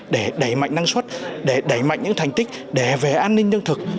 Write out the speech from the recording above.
để đẩy mạnh năng suất để đẩy mạnh những thành tích để về an ninh lương thực